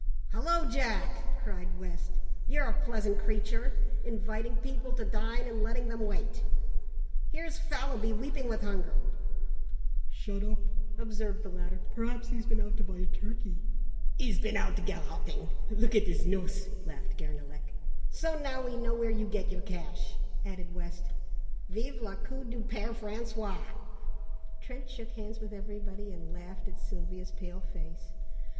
"Hello, Jack!" cried West, "you're a pleasant creature, inviting people to dine and letting them wait. Here's Fallowby weeping with hunger " "Shut up," observed the latter, "perhaps he's been out to buy a turkey." "He's been out garroting, look at his noose!" laughed Guernalec. "So now we know where you get your cash!" added West; "vive le coup du Père François!" Trent shook hands with everybody and laughed at Sylvia's pale face.